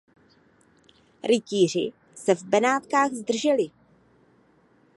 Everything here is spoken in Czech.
Rytíři se v Benátkách zdrželi.